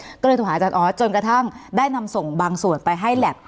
ก็เลยโทรหาอาจารย์ออสจนกระทั่งได้นำส่งบางส่วนไปให้แล็บ